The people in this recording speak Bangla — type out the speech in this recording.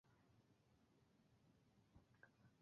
মন্টালটিজ মন্টালটো ডোরা থেকে এই শহরে আসন স্থানান্তর করেছে।